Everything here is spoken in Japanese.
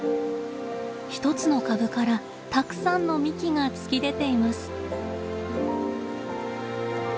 １つの株からたくさんの幹が突き出ています。